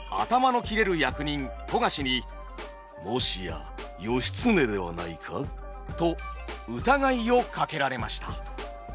役人富樫に「もしや義経ではないか？」と疑いをかけられました。